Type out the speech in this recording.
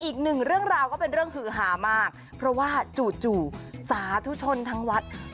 อีกหนึ่งเรื่องราวก็เป็นเรื่องฮือหามากเพราะว่าจู่สาธุชนทั้งวัด